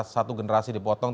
satu generasi dipotong